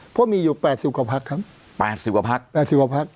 เพราะมีอยู่๘๐กว่าพักครับ๘๐กว่าพัก